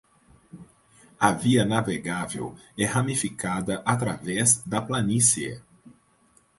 A via navegável é ramificada através da planície.